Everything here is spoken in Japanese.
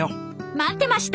待ってました！